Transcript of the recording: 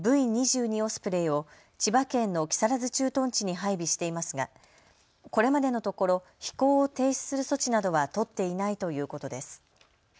オスプレイを千葉県の木更津駐屯地に配備していますが、これまでのところ飛行を停止する措置などは取っていないということです。